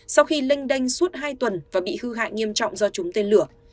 sau khi lênh đanh suốt hai tuần và bị hư hại nghiêm trọng do trúng tên lửa